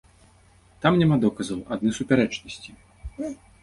Там няма доказаў, адны супярэчнасці.